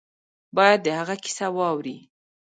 باید د هغه کیسه واوري.